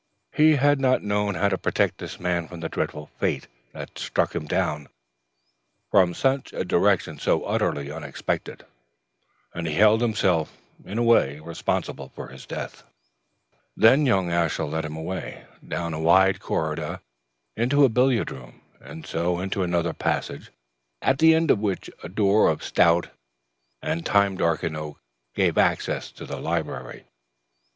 He had not known how to protect this man from the dreadful fate that had struck him down from a direction so utterly unexpected, and he held himself, in a way, responsible for his death. Then young Ashiel led him away, down a wide corridor into the billiard room, and so into another passage, at the end of which a door of stout and time darkened oak gave access to the library.